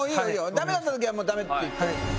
ダメだったらダメって言って。